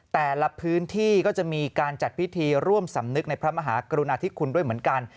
แต่ละพื้นที่ก็จะมีการจัดพิธีร่วมสำนึกในพระมหากรุณาธิคุณด้วยเหมือนกัน